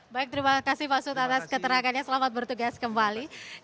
baik terima kasih pak sutatas keterangkanya selamat bertugas kembali